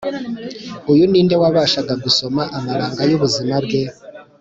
. Uyu ni nde wabashaga gusoma amabanga y’ubuzima bwe?